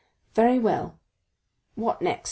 "Very well!" "What next?